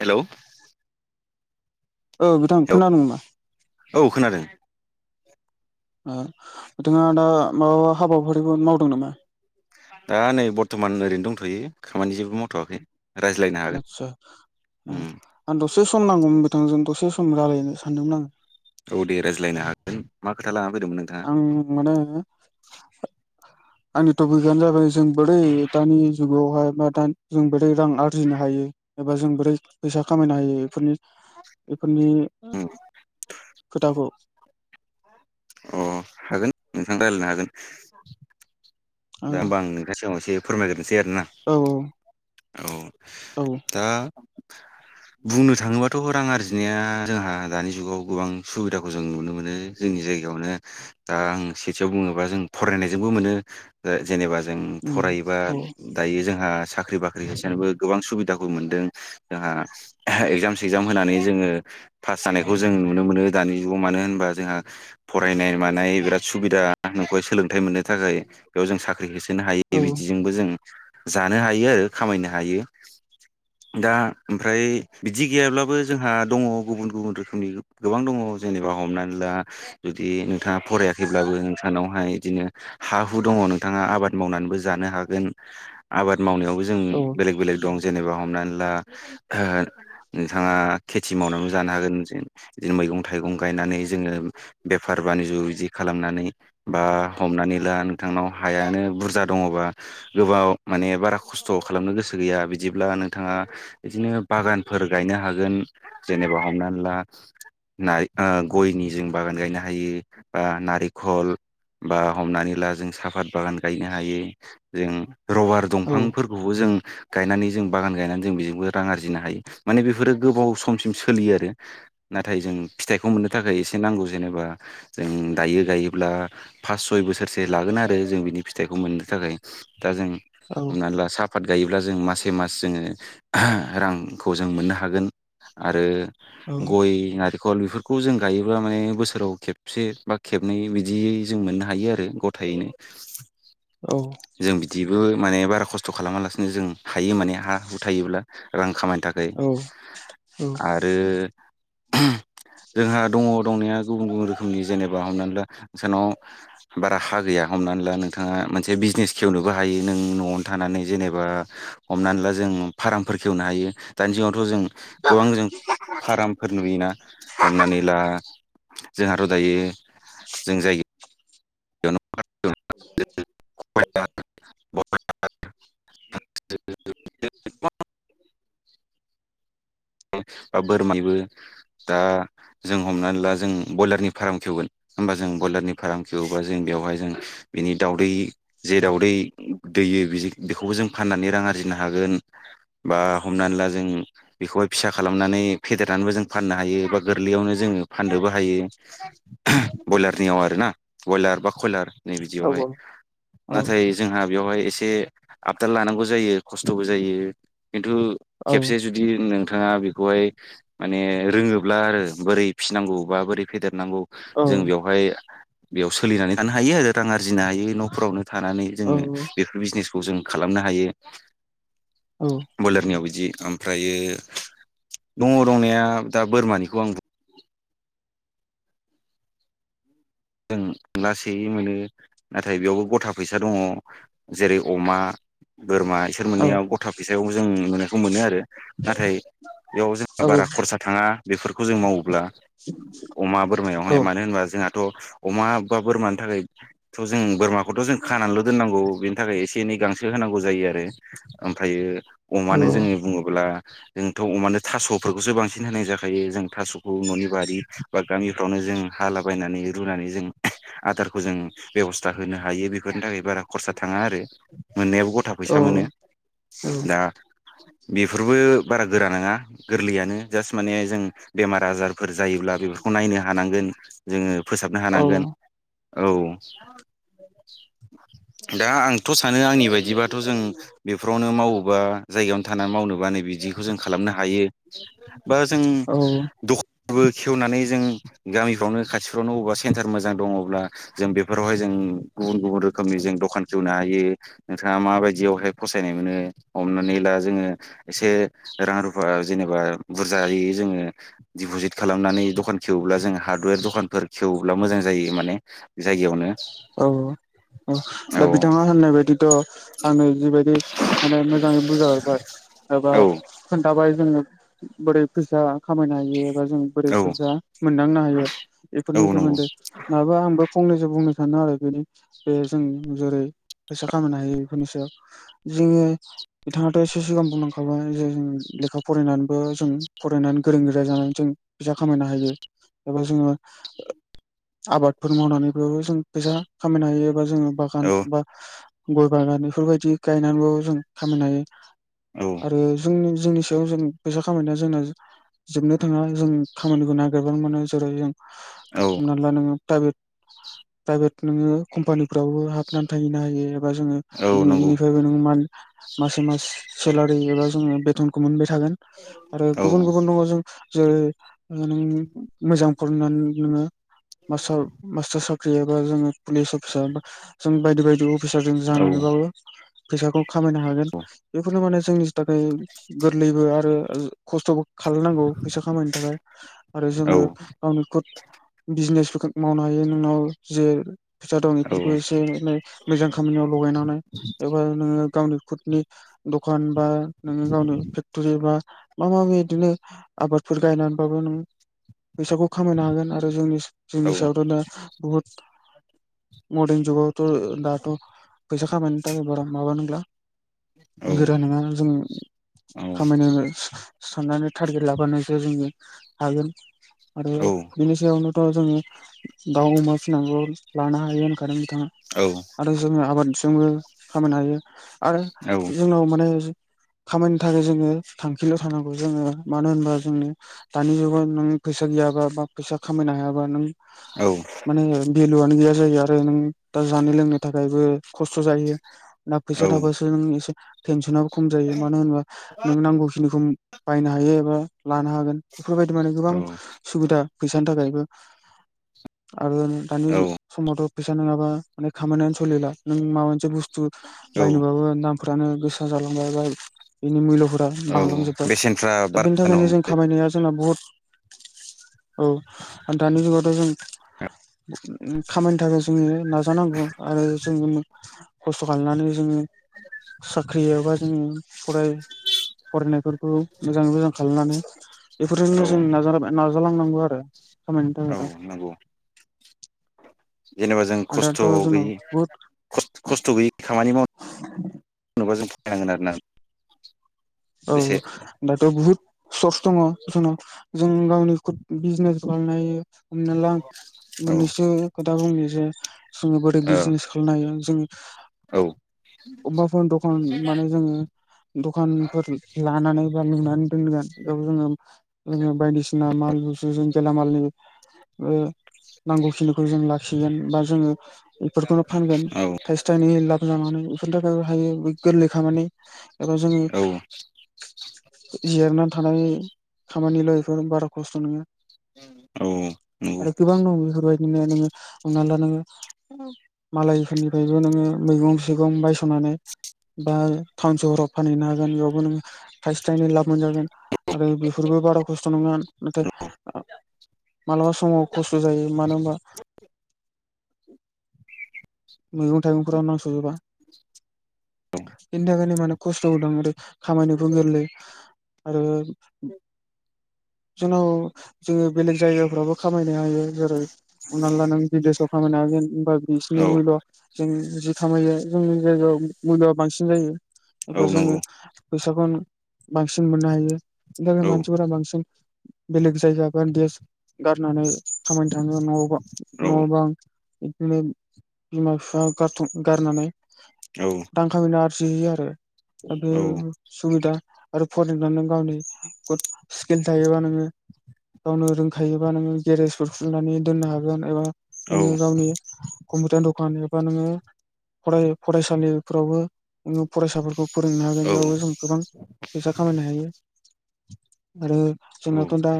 Hello औ बिथां खोनादोंं नामा? औ खोनादों अ नोंथाङा दा माबाा हाबाफारिबो मावदों नामा? दा नै बर्थमान ओरैनो दंथ'यो खामानि जेबो मावथ'वाखै रायज्लायनो हागोन आतसा उम आ दसे सम नांगौमोन बिथांजों द- से सम रायलायनो सानदोंमोन आङो औ दे रायज्लायनो हागोन मा खोथाला आं माने आंनि टपिकआनो जाबाय जों बोरै दानि जुग- आवहाय बा दा जों बोरै रां आरजिनो हायो एबा जों बोरै फैसा खामायनो हायो बेफोरनि बेफोरनि उम खोथाखौ अ हागोन नोंथां रायलायनो हागोन औ [inaudible] दा होमब आ नोंथांनिगावसे फोरमायगोरनो सै आरोना औ औ औ दा [inaudible] बुंनो थाङोबाथ' रां आरजिनाया जोंहा दानि जुगाव गोबां सुबिदाखौ जों नुनो मोनो जोंनि जायगायावनो दा आं सेथियाव बुङोबा जों फरायनायजोंबो मोनो जा-जेनेबा जों उम फरायोबा औ दायो जोंहा साख्रि बाख्रि होसोनोबो गोबां सुबिदा- बो मोनदों जोंहा एगजाम सेक्जाम होनानै जोङो पास जानायखौ जों नुनो मोनो दा- नि जुगाव मानो होनबा जोंहा फरायनाय मानाय बिराद सुबिदा नुखौहाय सोलोंथाइ मोननो थाखाय बेयाव जों साख्रि होसोनो औ हायै बिदिजोंबो जों जानो हायो आरो खामायनो हायो दा ओमफ्राय बिदि गैयाब्लाबो जोंहा दङ गुबुन-गुबुन रोखोमनि गोबां दङ जेनेबा हमनानै ला जुदि नोंथाङा फरायाखैब्लाबो नोंसानावहाय बिदिनो हा- बो दङो नोंथाङा आबाद मावनानैबो जानो हागोन आबाद मावनायावबो जों औ बेलेग-बेलेग दं जेनेबा हमनानै ला ओ नोंथाङा खेथि मावनानैबो जानो हागोन जे बिदिनो मैगं थाइगं गायनानै जोङो बेफार बानिजो बिदि खालामनानै बा हमनानै ला नों- थांनाव हायानो बुरजा दङबा गोबाव माने बारा खस्थ' खालामनो गोसो गैया बिदिब्ला नोंथाङा बिदिनो बागानफोर गायनो हागोन जेनेबा हमनानै ला नाय अ गयनि जों बागान गायनो हायो अ नारिकल बा हमनानै ला जों साफात बागान गायनो हायो जों रबार औ दंफांफोरखौबो जों गायनानै जों बागान गायनानै जों बेजोंबो रां आरजिनो हायो माने बेफोरो गोबाव समसिम सोलियो आरो नाथाय जों फिथाइखौ मोननो थाखाय एसे नांगौ जेनेबा जों दायो गायोब्ला फास सय बोसोरसो लागोन आरो जों बिनि फिथाइखौ मोननो थाखाय दा जों औ हमनानै ला साफात गायोब्ला जों मासे मास जोङो रांखौ जों मोननो हागोन आरो गय नारिखल बिफोर- खौ जों गायोब्ला माने बोसोराव खेबसे बा खेबनै बिदियै जों मोननो हायो आरो गथायैनो औ जों बिदिबो माने बारा खस्थ' खालामालासिनो जों हायो माने हा हु थायोब्ला रां खामायनो थाखाय औ आरो जोंहा दङ दंनाया गुबुन-गुबुन रोखोमनि जेनेबा हमनानै ला सानाव बारा हा गैया हमनानै ला नोंथाङा मोनसे बिजनेस खेव- नोबो हायो नों न'आवनो थानानै जेनेबा हमनानै ला जों फार्मफोर खेवनो हायो दानि जुगावथ' जों गोबां जों फार्मफोर नुयोना हमनानै ला जोंहा आरो दायो जों जाय- [unintelligible] [inaudible] [inaudible] [unintelligible] बोरमानिबो दा जों हमनानै ला जों ब्रयलारनि फार्म खेवगोन जों बयलारनि फार्म खेवोबा जों बेयावहाय जों बिनि दाउदै जे दावदै दैयो बेखौबो जों फाननानै रां आरजिनो हागोन बा हमनानै ला जों बेखौहाय फिसा खालामनानै फेदेरनानैबो जों फाननो हायो बा गोरलैयावनो जोङो फाननोबो हायो। ब्रयलारनियाव आरो ना ब्रयलार बा कयलार नै बिदियावहाय औ नाथाय जोंहा बेवहाय एसे आपदाल लानांगौ जायो खस्थ'बो जायो। खिन्थु खेबसे जुदि नोंथाङा बेखौहाय माने रोङोब्ला आरो बोरै फिसिनांगौ बा बोरै फेदेर नांगौ जों बेयावहाय बेयाव सोलिनानै थानो हायो आरो रां आरजिनो हायो न'फोरावनो थानानै जोङो बेफोर बिजनेसखौ जों खालामनो हायो। औ बयलारनियाव बिदि ओमफ्रायो दङ दंनाया दा बोरमानिखौ आं जों लासैयै मोनो नाथाय बेयावबो गथा फैसा दङ जेरै अमा बोरमा इसोर औ मोननायाव गथा फैसायाव जों नुनायखौ मोनो आरो नाथाय बेयाव जोंहा औ बारा खरसा थाङा बेफोरखौ जों मावोब्ला अमा बोरमायावहाय मानो होनबा जोंहा थ' अमा बा बोरमानि थाखाय थ' जों बोरमाखौथ' जों खानानैल' दोननांगौ बिनि थाखाय एसे एनै गांसो होनांगौ जायो आरो ओमफ्रायो अमानो जोङो बुङोब्ला जोंथ' अ'मानोे थास'फोरखौसो बांसिन होनाय जाखायो जों थास'खौ न'नि बारि बा गामिफ्रावनो जों हालाबायनानै रुनानै जों आदारखौ जों बेब'स्था होनो हायो बेफोरनि थाखाय बारा खरसा थाङा थाङा आरो मोननायाबो गथा औ फैसा मोनो औ दा बेफोरबो बारा गोरा नङा गोरलैयानो जास्ट माने जों बेमार आजार फोर जायोब्ला बेफोरखौ नायनो हानांगोन जोङो फोसाबनो हानांगोन औ [inaudible] दा आंथ' सानो आंनि बायदिबाथ' जों बेफोरावनो मावोबा जायगायावनो थानानै मावनो बिदिखौ जों खालामनो हायो बा जों औ द खानबो खेवनानै जों गामिफ्रावनो खाथिफ्रावनो अबेबा सेन्टार मोजां दङ'ब्ला जों बेफोरावहाय जों गुबुन गुबुन रोखोमनि जों दखान खेवनो हायो। नोंथाङा माबायदियावहाय फसायनाय मोनो हमनानै ला जोङो एसे रां रुफा जेनेबा बुरजायै जोङो दिपुजिड खालामनानै दखान खेवोब्ला जोङो हादवेर दखानफोर खेवोब्ला मोजां जायो माने जायगायावनो औ दा औ बिथाङा होननाय बायदिथ' आंनो जिबायदि माने मोजाङै बुजायहरबाय एबा औ खोन्थाबाय जोङो बोरै फैसा खामायनो हायो जों बोरै औ फैसा मोनदांनो हायो औ बेफोरनि नंगौ सोमोन्दै दा आंबो फंनैसो बुंनो सानो आरो बेनि बे जों जेरै फैसा खामायनो हायो बेफोरनि सायाव जोङो बिथाङाथ' एसे सिगां बुंलांखाबाय जे जों लेखा फरायनानैबो जों फरायनानै गोरों गोरा जानानै जों फैसा खामायनो हायो। एबा जोङो आबादफोर मावनानैबो जों फैसा खामायनो हायो एबा जोङो बागान औ बा गय बागान बेफोरबायदि गायनानैबो जों खामायनो हायो औ आरो जोंनि जोंनि सायाव जों फैसा खामायनाया जोंना जोबनो थाङा जों खामानिखौ नागिरबानो मोनो जेरै जों औ हमना ला नोङो प्राइभेट प्राइभेट नोङो कम्पानिफ्रावबो हाबनानै थाहैनो हायो एबा जोङो औ नंगौ इनिफ्रायबो मान मासै मास सेलारि एबा जोङो बेथनखौ मोनबाय थागोन आरो औ गुबुन गुबुन दङ जों जेरै आरो नों मोजां फरायनानै नों नोङो मास्टार मास्टार सा ख्रि एबा जोङो पुलिस अफिसार बा जों बायदि बायदि अफिसार जों औ जानानैबाबो फैसाखौ खामायनो हागोन बेखौनो माने जोंनि थाथाय गोरलैबो आरो ओ खस्थबो खालायनांगौ फैसा खामायनो थाखाय आरो जोङो ओ गावनि खुद बिजनेसफोरखौ मावनो हायो नोंनाव जे फैसा दं बेफोरखौ औ एसे ए मोजां खामानियाव लगायनानै एबा नोङो गावनि कुदनि दखान बा नोङो गावनि फेक्टरि बा माबा मि बिदिनो आबादफोर गायनानैबाबो नों फैसाखौ खामायनो हागोन आरो जोंनि औ सायावथ दा बहुद मर्दारन जुगावथ दाथ फैसा खामायनो थाखाय बारा माबा नंला गोरा नङा जोङो औ खामायनो साननानै थारगेट लाबानोसो जोङो हागोन आरो औ बेनि सायावनोथ जोङो दावउ अमा फिनानाबो लानो हायो होनखादों बिथाङा आरो जोङो आबाद जोंङो खामायनो हायो आरो जोंनाव माने खामानिनि थाखाय जोङो थांखिल थानांगौ जोङो मानो होनबा जोंनो दानि जुगाव नों फैसा गैया बा फैसा खामायनो हायाबा नों औ ओ भेलुयानो गैया जायो आरो नों दा जानो लोंनो थाखायबो खस्थ जायो ना फैसा थाबासो नों एसे टेनसनाबो खम जायो मानो होनोबा नों नांगौ खिनिखौ बायनो हायो एबा लानो हागोन बेफोरबायदि माने गोबां सुबिदा फैसानि थाखायबो आरो दानि समावथ फैसा नङाबा माने खामानियानो सलिला नों माबा मोनसे बुस स्थु बायनोबाबो दामफ्रानो गोसा जालांबाय बेनि मुइल फोरा बांलांजोबबाय बेसेनफ्रा दा बारा बेनि जानो थाखायनो हम जों खामायनाया जोंना बुहुत औ दानि [unintelligible] जों खामानिनि थाखाय जोङो नाजानांगौ आरो जोङो खस्थ' खालायनानै जोङो साख्रि एबा जोङो फराय फरायनायफोरखौ मोजाङै मोजां खालामनानै बेफोरजोंनो औ जों नाजालाबाय नाजालांनांगौ आरो। खामायनो औ थाखायथ' नंगौ। जेनेबा जों खस्थ दाथ' जोंनाव गैयै बुहुद खस्थ गैयै खामानि माव जेनबा जों फैनांगोन आरोना औ औ एसे दाथ बहुत सर्स दङ जोंनाव जों गावनि खुद बिजनेस खालामनो हायो। हमना लां औ मोननैसो खोथा बुंनो जे जोङो बोरै औ बिजनेस खालायनो हायो जोङो अबबाफोर दखान माने जोङो दखान लानानै बा नुनानै दोनगोन। बेयाव जोङो जों बायदिसिना माल बुस्थु जों गेलामालनि ओ नांगौ खिनिखौ जों लाखिगोन बा जोङो बेफोरखौनो फानगोन औ थाइसे थाइनै लाब जानानै। बेफोरनि थाखाय हायो गोरलै खामानि एबा जोङो औ जिरायनानै थानाय खामानिल बेफोर बारा खस्थ नङा औ नंगौ आरो गोबां दं बेफोरबायदिनो नोङो हमना ला नोङो मालायफोरनिफायबो नोङो मैगं थाइगं बायसनानै बा टाउन सहराव फानहैनो हागोन बेयावबो नोङो थाइसे थाइनै लाब मोनजागोन आरो बेफोरबो बारा खस्थ नङा नाथाय मालाबा समाव खस्थ जायो मानो होनबा मैगं थाइगंफोराव नांसजोबा बिनि थाखायनो मान खस्थ होदों आरो खामायनोबो गोरलै आरो जोंनाव जोङो बेलेग जायगाफ्रावबो खामायनो हायो जेरै हमना ला नों बिदेसाव खामा मोनागोन होनबा बिसिनि औ मुल्य जों जि खामायो जोंनि जायगायाव मुल्यआ बांसिन जायो औ एबा जोङो नंगौ फैसाखौ बांसिन मोननो हायो बेनि थाखाय औ मानसिफोरा बांसिन [unintelligible] गारनानै खामायनो थाङो न औ बां बिदिनो बिमा बिफा गारथ गारनानै औ दांखामायनो आरो आरो दा बे औ सुबिदा आरो फरायनानै गावनि सकेल थायोबा नोंङो गावनो रोंखायोबा नोंङो गेरेजफोर खुलिनानै दोननो हागोन एबा नोङो गावनि खमथार दखान एबा नोंओ फराय फरायसालिफोरावबो फरायसाफोरखौ फोरोंनो हागोन बेेरावबो जों गोबां फैसा खामायनो हायो आरो जोंनाथ दा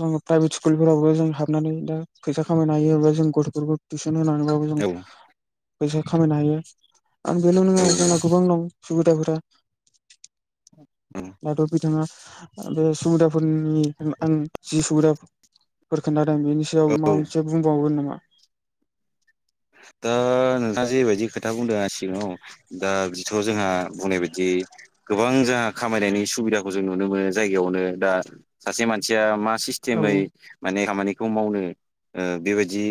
ज प्राइभेट स्कुलफोरावबो जों हाबनानै दा फैसा खायनो हायो जों गथ'फोरखौ टिउसन होनानैबाबो जों औ फैसा खामायनो हायो आं बेल नङा नंगौ जोंना गोबां दं सुबिदाफोरा ला बिथाङा बे सुबिदाफोरनि आं जि सुबिदाफोर खोनथा बेनि सायाव औ माबा औ मोनसे बुंबावगोन नामा दा नोंथाङा जेबायदि खोथा बुंदों सिगाङाव दा बिथ' जोंहा बुंनाय बायदि गोबां जोंओ खामायनायनि सुबिदाखौ जों नुनो मोनो जायगायावनो दा सासे मानसिया मा औ सिस्टेमै माने खामानिखौ मावनो बेबायदि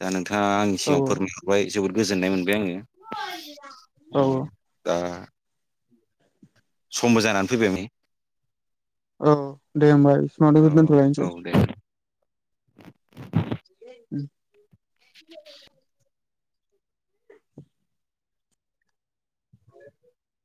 दा नोंथाङा आंनि औ सिगाङाव फोरमायहरबाय जोबोद गोजोननाय मोनबाय आंङो औ दा समबो जानानै फैबाय औ दे होमबा सावनो औ दोन्थलायनोसै औ दे [unintelligible] औ